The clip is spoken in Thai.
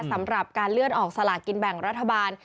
สำหรับการเลื่อนออกสลากินแบ่งรัฐบาล